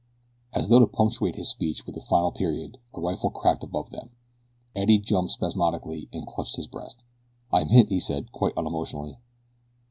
As though to punctuate his speech with the final period a rifle cracked above them. Eddie jumped spasmodically and clutched his breast. "I'm hit," he said, quite unemotionally.